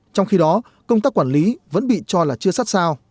trong khi đó công tác quản lý vẫn bị cho là chưa sát sao